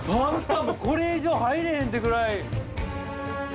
これ以上入れへんってぐらい。